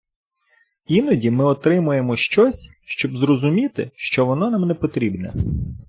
Іноді ми отримуємо щось, щоб зрозуміти, що воно нам не потрібне